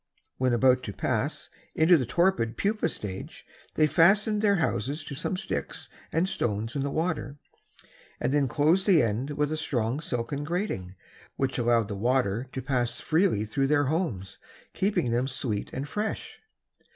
When about to pass into the torpid pupa state, they fastened their houses to some sticks and stones in the water, and then closed the end with a strong silken grating, which allowed the water to pass freely through their houses, keeping them sweet and fresh.